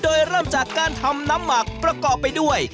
โดยเริ่มจากการทำน้ำหมักประกอบไปด้วย